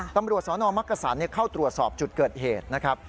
ตำรวจสนมักกษันเข้าตรวจสอบจุดเกิดเหตุนะครับ